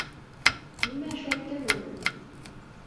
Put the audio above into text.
Нимә эшләттең уны?